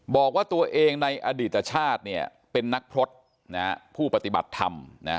บอกว่าตัวเองในอดีตชาติเป็นนักพจน์ผู้ปฏิบัติธรรม